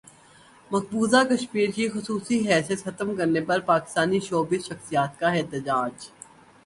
مقبوضہ کشمیر کی خصوصی حیثیت ختم کرنے پر پاکستانی شوبز شخصیات کا احتجاج